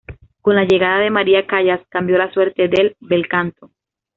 Con la llegada de Maria Callas cambió la suerte del "bel canto".